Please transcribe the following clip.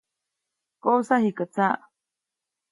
‒¡Koʼsa jikä tsaʼ!‒.